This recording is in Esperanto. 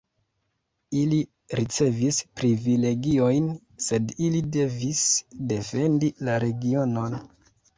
Ili ricevis privilegiojn, sed ili devis defendi la regionon.